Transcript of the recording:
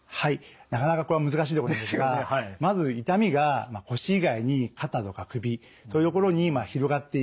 なかなかこれは難しいところですがまず痛みが腰以外に肩とか首そういう所に広がっている。